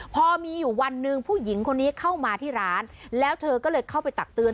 พอมีอยู่วันหนึ่งผู้หญิงคนนี้เข้ามาที่ร้านแล้วเธอก็เลยเข้าไปตักเตือน